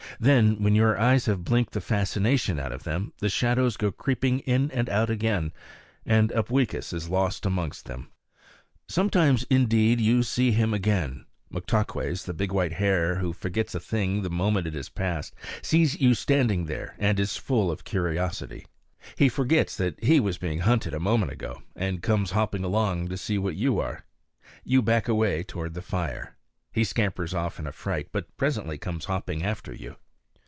Then, when your eyes have blinked the fascination out of them, the shadows go creeping in and out again, and Upweekis is lost amongst them. Sometimes, indeed, you see him again. Moktaques, the big white hare, who forgets a thing the moment it is past, sees you standing there and is full of curiosity. He forgets that he was being hunted a moment ago, and comes hopping along to see what you are. You back away toward the fire. He scampers off in a fright, but presently comes hopping after you.